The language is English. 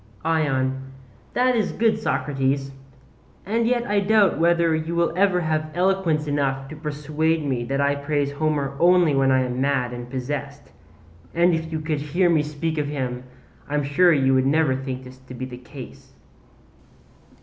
ION: That is good, Socrates; and yet I doubt whether you will ever have eloquence enough to persuade me that I praise Homer only when I am mad and possessed; and if you could hear me speak of him I am sure you would never think this to be the case.